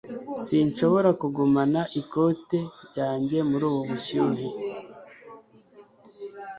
Sinshobora kugumana ikote ryanjye muri ubu bushyuhe.